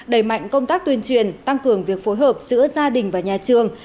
đẩy mạnh công tác tuyên truyền tăng cường việc phối hợp giữa gia đình và nhà trường